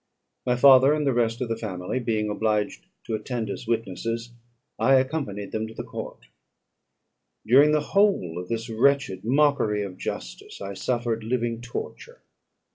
My father and the rest of the family being obliged to attend as witnesses, I accompanied them to the court. During the whole of this wretched mockery of justice I suffered living torture.